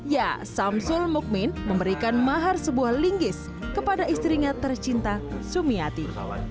ya samsul mukmin memberikan mahar sebuah linggis kepada istrinya tercinta sumiati